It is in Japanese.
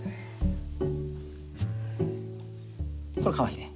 これかわいいね。